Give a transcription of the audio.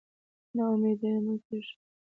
نا امېد مه کېږه.